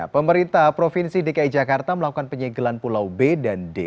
pemerintah provinsi dki jakarta melakukan penyegelan pulau b dan d